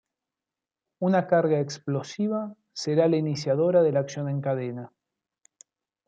Una carga explosiva será la iniciadora de la acción en cadena.